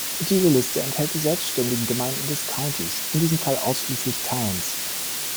Diese Liste enthält die selbständigen Gemeinden des Countys; in diesem Fall ausschließlich "towns".